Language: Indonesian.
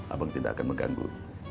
abang tidak akan mengganggu